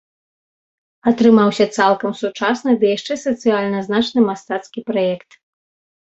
Атрымаўся цалкам сучасны ды яшчэ сацыяльна значны мастацкі праект.